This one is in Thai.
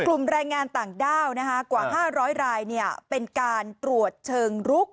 กลุ่มแรงงานต่างด้าวนะฮะกว่า๕๐๐รายเนี่ยเป็นการตรวจเชิงลุก